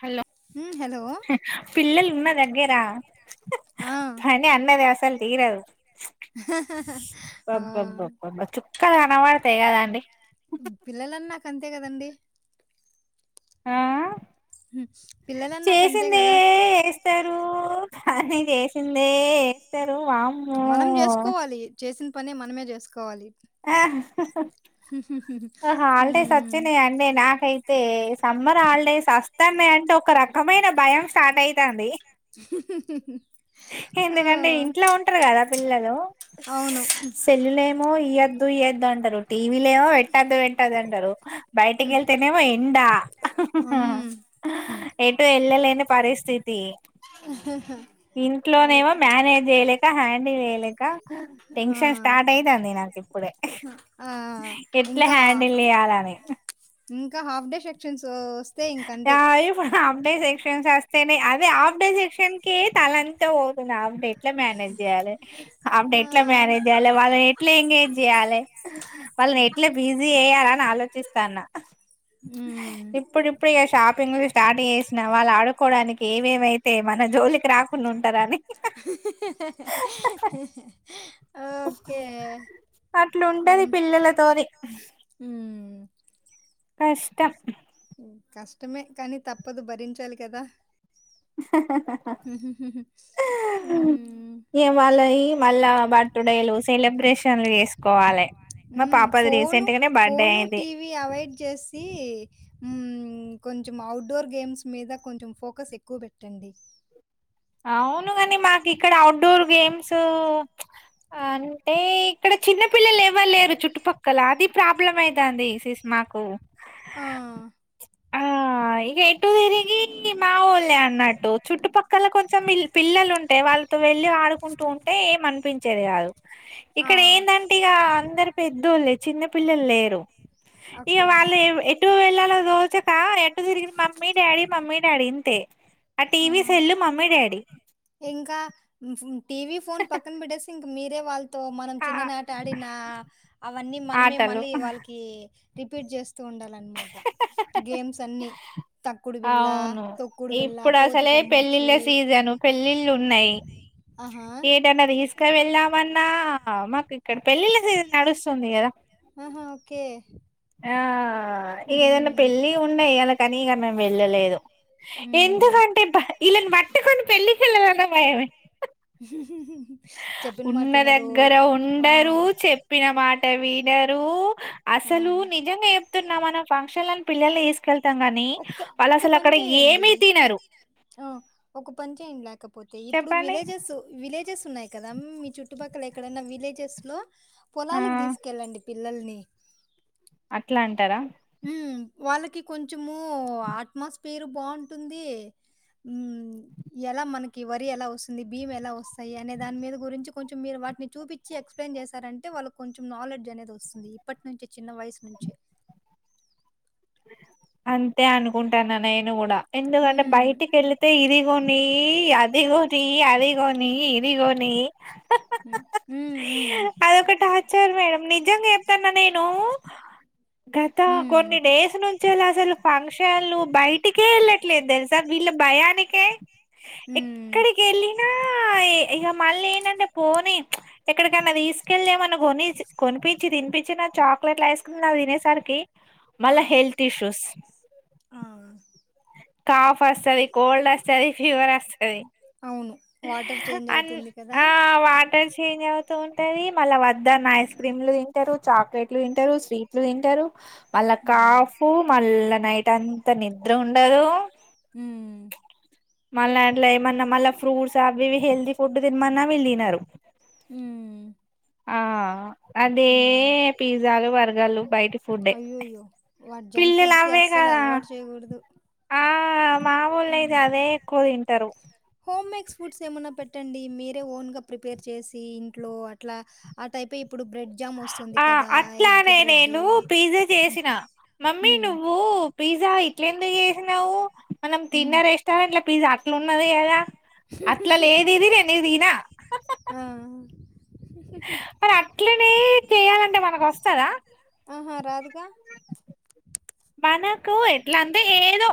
Hello పిల్లలు ఉన్న దగ్గరా ఆ పని అన్నది అసల్ తీయరాద్ ఆ కనపడతాయ కాద్ అండి పిల్లలన్నాక అంతే కదండీ ఆ చేసింది ఇ ఎవరర్ స్తారు అని చేసిందే ఎక్ తర్ వామ్ మనం చేసుకోవాలి చేసిన్ పని మనమే చేసుకోవాలి ఆ ఆహా అంటే సత్యనే అండి నాకైతే సమ్మర్ హాలిడేస్ అస్ స్తన్నాయి అంటే ఒక రకమైన భయం స్టార్ట్ అయితంది హుమ్ హుమ్ హే ఎందుకంటే ఇంట్లో ఉంటారు కదా పిల్లలు సే సెల్లులేమో ఈయాద్ ద్ అంటారు టీవీలే ఓ అద్ అద్ అంటారు బయటికి వెళ్తేనేమో ఎండా ఆహా ఆహా ఎటుో వెళ్ళలేని పరిస్థితి తే ఇంట్లోనేమో మేనేజ్ చేయలేక, హ్యాండిల్ చేయలేక టెన్షన్ స్టార్ట్ అయితాంది నాకు ఇప్పుడే ఎట్లా హ్యాండిల్ చేయాలని, ఇంకా హాఫ్ డే సెక్షన్సు అ ఇప్ హాఫ్ డే [unintelligible] షన్స్ వస్తేనే అది ఆఫ్ డే సెక్షన్ కి తలంతా వో నేను ఆఫ్ డే ఎట్లా మేనేజ్ చేయ్యాలి, హాఫ్ డే ఎట్లా మేనేజ్ చేయాలి, వాళ్ళని ఎట్లా ఎంగేజ్ చెయ్యాలి. వాళ్ళని ఎట్లా బిజీ చేయ్యాలని ఆలో చిస్తానా హ్మ్ [unintelligible] షాపింగ్లు స్టార్ట్ చేసిన వాళ్ళు ఆడుకోవడానికి ఏమేమైతే మన జోలికి రాకుండా ఉంటారు అని అట్లుంటది పిల్లలతోని కష్టం కష్టమే కానీ తప్పదు భరించాలి కదా ఏ మళ మళ్ళా బర్త్డేలు సెలబ్రేషన్లు చేసుకోవాలి మా పాపది రీసెంట్ గానే బర్త్డే అయింది కొంచెం అవుట్ డోర్ గేమ్స్ మీద కొంచెం ఫోకస్ ఎక్కువ పెట్టండి అవు ను కాని మాకు ఇక్కడ ఔట్ డోర్ గేమ్సు అంటే ఇక్కడ చిన్న పిల్లలు ఎవరు లేరు చుట్టుపక్కల అది ప్రాబ్లం అయితాంది సిస్ మాకు ఆ ఆ ఇగా చుట్టూ తిరిగి మా ఊళ్లూ అన్నట్టు, చుట్టుపక్కల కొం చెం పిల్ పిల్లలు ఉంటే వాళ్ళతో వెళ్లి ఆడుకుంటూ ఉంటే ఏం అనిపించేది కాదు ఇక్కడ ఏందంటే ఇగ అందరూ పెద్దోళ్లే చిన్న పిల్లలు లేరు ఇక వాళ్ళు ఎటు వెళ్లాలో రోజు కా ఎట్టా తిరిగినా మమ్మీ డాడీ మమ్మీ డాడీ ఇంతే ఆ టీవీ సెల్లు మమ్మీ డాడీ ఇంకా టీవీ ఫోన్ పక్కన పడేసి మీరే వాల్ తో మనం చిన్ననాట ఆడిన అవన్నీ మనమే మళ్ళీ వాళ్ళకి రిపీట్ చేస్తూ ఉండాలన్నమాట గేమ్స్ అన్ని తక్కుడు బిల్ళ తొక్కుడు బిళ్ళ కోతి కొమ్మొచ్చి పెళ్ళిళ్ళున్నాయి ఏదన్నా తీసక వెళ్ళామన్నా మా ఇక్కడ పెళ్ళిళ్ళ సీజన్ నడుస్తుంది గదా కే ఆ ఆ ఏదన్నా పెళ్ళి ఉన్నాయి అలా కానీ మేము వెళ్ళలేదు ఎందుకంటే ఇళ్లని పట్టుకొని పెళ్లికి వెళ్లాలన్నా భయమే ఉన్న దగ్గర ఉండరు చెప్పిన మాటవి నరు అసలు అసలు నిజంగా జెప్తున్నా మనం ఫంక్షన్‌లో పిల్లలని వేసుకొ కెళ్తాం గానీ వాళ్ళు అసలు అక్కడ ఏమి తినరు పోతే ఇప్పుడు విలేజెస్ విలేజ్ విలేజెస్ ఉన్నాయి కదా మీ చుట్టుపక్కల ఎక్కడన్నా విలేజెస్ లో పొలాలకి తీసుకెళ్ళండి పిల్లల్ని అట్లా అంటారా వాళ్ళకి కొంచెము అట్మాస్ఫిర్ బాగుంటుంది ఎలా మనకి వరి ఎలా వస్తుంది భీము ఎలా వస్తాయి అనే దాని మీద గురించి కొంచెం మీరు వాటిని చూపించి ఎక్స్ప్లెయిన్ చేశారంటే వాళ్ళకి కొంచెం నాలెడ్జ్ అనేది వస్తుంది ఇప్పటి నుంచే చిన్న వయసు నుంచే అంతే అనుకుంటాను నేను గూడా ఎందుకంటే బయటికి యెల్లితే ఇది కొనీ అ ఇది కొని అది కొని ఇది కొని అదొకటి ఆచారం మేడం ని నిజంగా జెప్తనా నేను గతా కొన్నీ డేస్ నుంచి ఏల ఫంక్షన్లు బయ బయటికే యెళ్ళట్లేదు దెల్సా వీళ్ళ భయానికే ఎక్కడికి యెళ్ళినా ఏ ఇగ మళ్ళీ ఏంటంటే పోని ఎక్కడికైన్నా తీసుకెళ్ళి ఏమన్నా కొని కొనిపించి తినిపించిన చాక్లెట్ల ఐస్ క్రీమ్ అవి తినేసరికి మల్లా హేల్త్ టిసుస్ కాఫ్ అస్తది కోల్డ్ అస్తది ఫీవర్ అ అంటది అన్ ఆ వాట చేంజ్ అవుతూ వుంటది మళ్ళ వద్దన్న ఐస్ క్రీమ్ లు దింటరు చాక్లెట్లు దింటరు స్వీట్లు దింటరు వాళ్ళక్ కాఫ్ మళ్ళా నైట్ తంత నిన్ను ఉండరు మళ్ళా అట్ల ఏమన్నా మళ్ళ ఫ్రూట్స్ అవి ఇవి హెల్తీ ఫుడ్ తినమన్నా వీళ్ళు తినరు ఊమ్ అదే పిజ్జాలు బర్ గాలు బయట అయ్యోయ్యో వాడ్ జంక్ ఫుడ్ కి అస్సలు అలవాటు చెయకూడదు మావొళ్ళు అయితే అదే ఎక్కువ తింటరు ఫుడ్స్ ఏమన్న పెట్టండి మీరే ఓన్ గా ప్రిపేర్ చేసి ఇంట్లో అట్లా ఆ టైపే ఇప్పుడు బ్రెడ్ ఆ అట్లానే నేను పిజా చేసిన మమ్మీ నువ్వు పిజా ఇట్ల ఎందుకు ఏసినావు మనం తిన్న రెస్టారెంట్ ల పిజా అట్లున్ మరి ఏలా ఆ మరి అట్లనే చేయాలంటే మనకొస్తదా మనకు ఎట్లాంటే ఏదో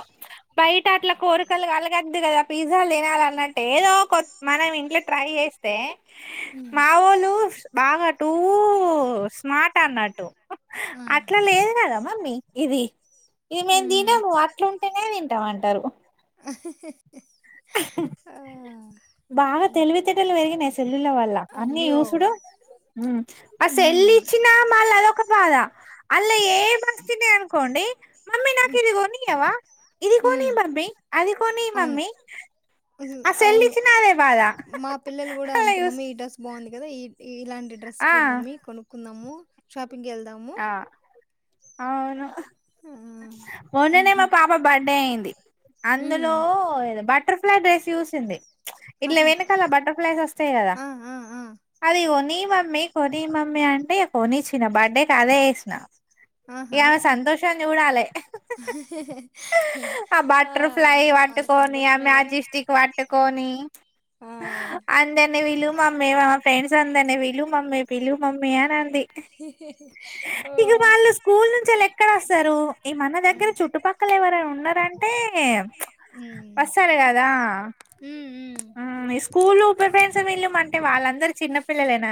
బయట అట్లా కోరికలు కలగొద్దు గదా పిజ తినాలన్నట్టు ఏదోక మనం ఇంట్లో ట్రై చేస్తే మావోలు బాగా టూ స్మార్ట్ అన్నట్టు అట్లా లేదు కద మమ్మీ ఇది ఇది మేము దినము అట్లుంటేనే దింటాం అం టారు ఆ ఆ బాగా తెలివితేటలు వెరిగానాయ్ స్ నిన్న వాల్ల అన్ని జూసుడు ఆ సెల్లిచ్చినా మళ్ళ అదొక బాధ అళ్ళ ఏ మస్త కోండి మమ్మీ నాకు ఇది కొనీయవా ఇది కొనీ మమ్మీ అది కొనీ మమ్మీ ఆ సెల్లి మా పిల్లలు గూడా అంతే మమ్మీ ఈ డ్రస్ బాగుంది గదా ఈ ఇలాంటి డ్రెస్ చూడు మమ్మీ కొనుక్కున్నాము సప్ప పంగల్దాము అవును మొన్ననే మా పాప బర్డే అయింది అందులో బటర్ఫ లా డ్రైస్ సింది ఇట్ల వెనకాల బటర్ఫ్లైస్ వస్తే ఇదదా అది నీ మమ్మీ కొనీ మమ్మీ అంటే కొనీచ్చిన బర్త్డే చదే వేసిన ఇ ఆమె సంతోషాన్ని చూడాలి ఆ బటర్ఫ్లై పట్టుకొని ఆమె అజిస్టిక్ పట్టుకొని అందరినీ విీలు మమ్మీ మా ఫ్రెండ్స్ అందరినీ విీలు మమ్మీ పిలు మమ్మీ అని అంది [inaudible] ఇక వాళ్ళు స్కూల్ నుంచి వాళ్ళు ఎక్కడ వస్తారు ఈ మన దగ్గర చుట్టుపక్కల ఎవరైనా ఉన్నారు అంటే వస్తాడు కదా స్కూల్ ఉ ఫ్రెండ్స్ వీళ్ళమ అంటే వాళ్ళందరు చిన్న పిల్లలేనా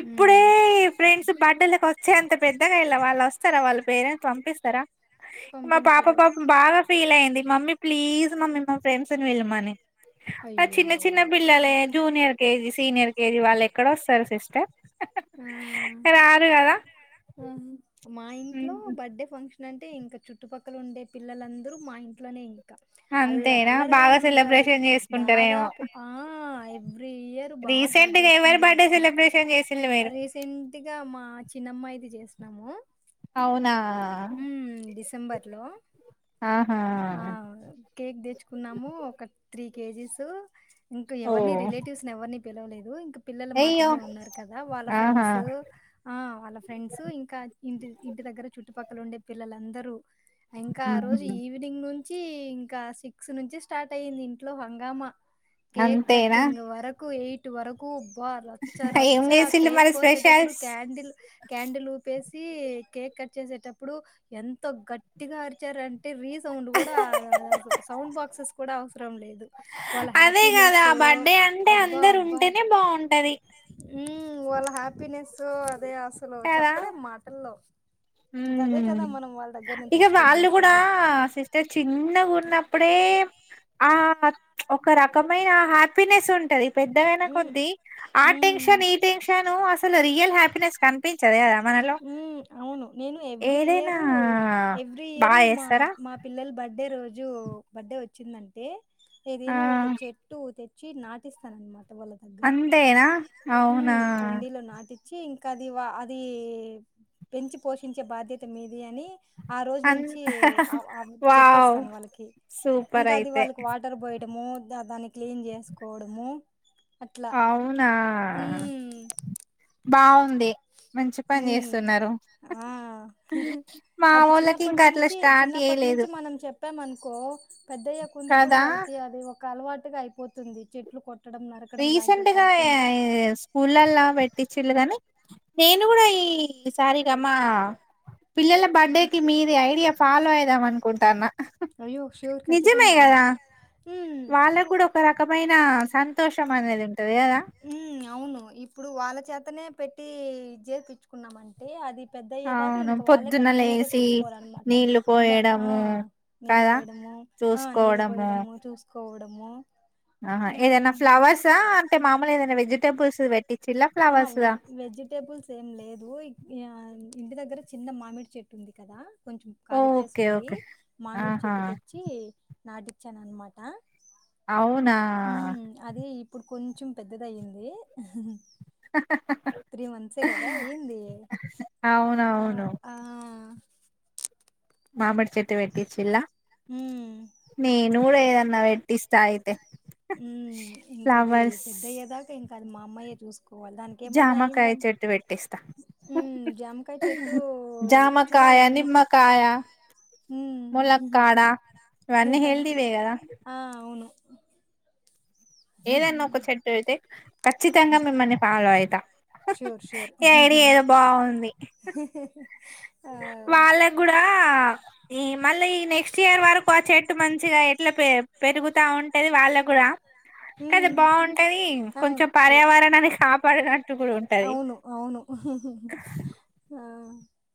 ఇప్పుడే ఫ్రెండ్స్ బంటకి వచ్చే అంత పెద్దగా ఇలా వాళ్ళుస్తా వాళ్ళు పేరెంట్స్ పంపిస్తారా మా పాప పాప బాగా ఫీల్ అయింది మమ్మీ ప్లీజ్ మమ్మీ ఫ్రెండ్స్ వెళమని ఆ చిన్న చిన్న పిల్లాల జూనియర్ కేజీ సీనియర్ ఏది వాళ్ళు ఎక్కడ వస్తారు సిస్టర్ ఆరు కదా ఆ మా ఇంట్లో బర్త్డే ఫంక్షన్ ఏంటే ఇంకా చుట్టుపక్కల ఉండే పిల్లలందరూ మా ఇంట్లోనే అల్ల అల్లరిగా ఉంటారు దాదాపు ఆ ీ ఇయర్ బాగా సెలబ్రేషన్ చేస్తాం రీసెంట్ గా మా చిన్నమ్మాయి ఇది చేసినము అవునా ఆ ఆ కేక్ తెచ్చుకున్నాము ఒక త్రీ కేజీసు ఇంకా ఎవరిని రిలేటివ్స్ ని ఎవరిని పిలవలే లేదు ఇంకా పిల్లలు మాత్రమే ఉన్నారు కదా వాళ్ళ ఫ్రెండ్స్ ఆ వాళ్ళ ఫ్రెండ్స్ ఇంకా ఇంటి ఇంటి దగ్గర చుట్టుపక్క అక్కలు ఉండే పిల్లలందరూ ఇంకా ఆ రోజు ఈవి నుంచి ఇంక సిక్స్ నుంచి స్టార్టయ్యిందింట్లో హంగామ. కేక్ కట్టింగ్ వరకు ఎయ్ట్. ట్ వరకూబ్. బ రచ్చ రచ్చా కేక్ కోసేటప్పుడు క్యాండిల్ క్యాండిలూపేస్. తి కేక్ కట్ చేసేటప్పుడు ఎంతొ గట్టిగా అరిచారంటే రీ. సౌండ్ గూడా ఆదాదాసు సౌండ్ బాక్సెస్. కూడా అవ్సరం లేద్. అదే గదా బడ్డే అంటె అందరుంటేనే బావుంటది. ఉమ్ వాళ్ళ హ్యాపీనెస్సు అదే అ. సలు చెప్పలేం మాటల్లొ ఇంకదే కదా మనం వాళ్ళ దగ్గర్నుంచెక్స్పెక్ట్ జేసేది. త చిన్నగున్నప్పుడే ఆ ఒక రకమైన హ్యాపీనెసుంటది. పెద్దగైన కొద్దీ ఆ టెన్షన్ ఈ టెన్షను అసల్ రియల్ హ్యాపీ. పినెస్ కనిపించద్ గద ఉమ్ ఔను నేను ఎవ్రీ ఇయరూ ఎవ్రీ ఇయరూ మా మా పిల్లల్ బడ్. డే రోజు బడ్డే వచ్చిందంటే. ఏదీనా ఒక చెట్టు తె. చి నాటిస్తానన్మాట. ట వాల్ల దగ్గర అంతె [inaudible] ఉమ్ కుండీలో నాటిచ్చి ఇ కది వా అది. పెంచి పోషించే బాధ్యత మీది అని. ఆ రోజ్ నించి ఆవ్ ఆవు చెప్పేస్తాను వాళ్ళకి ఇంకది వాళ్ళకు వాటర్ బొయ్. ట్ మోద్ద దాన్ని క్లీన్ జేస్కోవడము. ఔనా బావుంది. ఉమ్ ఆ అది చిన్నప్పట్ నుంచీ చిన్నప్పట్ నుంచి మనం చెప్పామన్కో పెద్దయ్యాకుందిక్ గూడ్ వాళ్ళకి అది ఒ. కల్వాటుగా అయ్పోతుంది చెట్లు కొ. రీసెంట్ గా అయ య్ స్కూల్లల్లా పెట్టిచ్చిళ్ళు గాని. నేను గూడా ఈ సారీ. కమా పిల్లల బడ్డేకి మీది ఐడియ ఫాలో ఐదామనుకుంటాన్నా. అయ్యో షూర్ ఖచ్చితంగా ఉమ్ కమైన సం తోషమనేది ఉం ఉమ్మ్ అవును ఇప్పుడు వాళ్ళ చేతనే పెట్టి జేర్పిచ్చుకున్నామంటే అది పెద్దయ్యేదాకా ఇంకా వాళ్ళే కంటిన్యూగా చూసుకోవాలన్నమాట, ద ఆ నీళ్ళు పోయడము ఆ నీళ్ళు పోయడము చూసుకోవడం. అమ్మో ఆహా ఏదైనా ఫ్లవర్సా అంటే మామూలుగ ఏదైనా వె జిటేబుల్స్ వె ఆహా వెజ్ వెజిటేబుల్స్ ఏం లేదు యాన్ ఇంటి దగ్గర చిన్న మామిడి చెట్టు ఉంది కదా కొంచం కాళీ ప్లేస్ ఉంది మామిడి చెట్టు తెచ్చి నాటిచ్చాను అనమాట అవునా కొంచెం పెద్దది అయ్యింది త్రీ మంత్సే కదా అయ్యింది ఆ ఆ మామిడి చెట్టు పెట్టిచ్చిల్ల మీ నువ్వుకూడా ఏదన్న పెట్టిస్తా అయితే హ్మ్ ఇంకా అది పెద్దయ్యేదాకా ఇంక్ క అది మా అమ్మాయే చూసు కోవాల దానికి ఏమన్నా అయ్యిందంటే మ్మ్ జామకాయ చెట్టు చూడాలి నేను మ్మ్ ఆ అవును ఏదన్నా ఒక చెట్టు అయితే ఖచ్చితంగా మిమ్మల్ని ఫాలో అయిత ఈ ఐడియా ఏదో బాగుంది వాళ్ళకు కూడా ఈ మళ్ళీ ఈ నెక్స్ట్ ఇయర్ వరకు ఆ చెట్టు మంచిగా ఎట్లా పె పెరుగుతా ఉంటది వాళ్ళగుడా కదా బాగుంటది కొంచెం పర్యావరణాన్ని కాపాడనట్టు కూడా ఉంటది [inaudible]